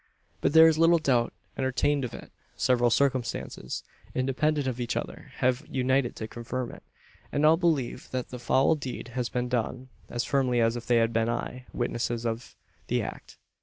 But there is little doubt entertained of it. Several circumstances independent of each other have united to confirm it; and all believe that the foul deed has been done as firmly as if they had been eye witnesses of the act.